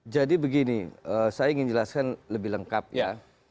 jadi begini saya ingin jelaskan lebih lengkap ya